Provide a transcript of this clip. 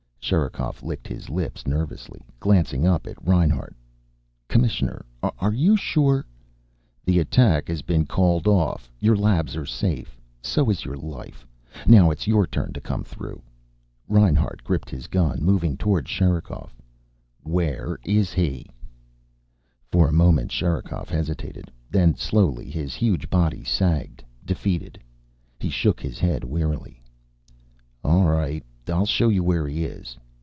Sherikov licked his lips nervously, glancing up at Reinhart. "Commissioner, are you sure " "The attack has been called off. Your labs are safe. So is your life. Now it's your turn to come through." Reinhart gripped his gun, moving toward Sherikov. "Where is he?" For a moment Sherikov hesitated. Then slowly his huge body sagged, defeated. He shook his head wearily. "All right. I'll show you where he is."